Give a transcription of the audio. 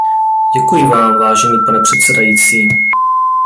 Děkuji vám, vážený pane předsedající.